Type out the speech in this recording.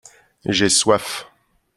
J’ai soif.